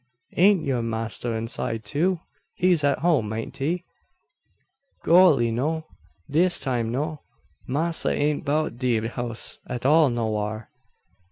"Ain't yur master inside, too? He's at home, ain't he?" "Golly, no. Dis time no. Massa ain't 'bout de house at all nowhar.